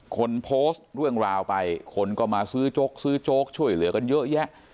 คนโพสต์เรื่องราวไปคนก็มาซื้อโจ๊กซื้อโจ๊กช่วยเหลือกันเยอะแยะ